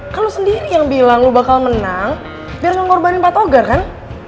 kan lu sendiri yang bilang lu bakal menang biar gak ngorbanin pak togar kan